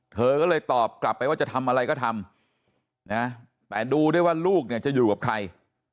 เธอก็เลยตอบกลับไปว่าจะทำอะไรก็ทำนะแต่ดูได้ว่าลูกเนี่ยจะอยู่กับใคร